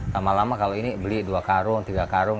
lama lama kalau ini beli dua karung tiga karung